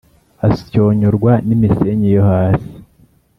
Asyonyorwa n'imisenyi yohasi